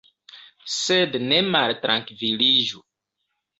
Sed ne maltrankviliĝu.